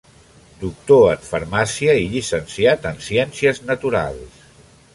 Doctor en Farmàcia i llicenciat en Ciències Naturals.